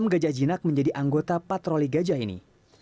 enam gajah jinak menjadi anggota patroli gajah ini